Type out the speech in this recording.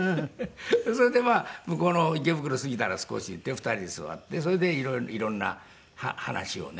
それで向こうの方池袋過ぎたら少しして２人で座ってそれで色んな話をね。